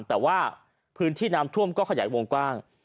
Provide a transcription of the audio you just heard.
แต่ว่าพื้นที่น้ำท่วมก็ขยายวงกว้าง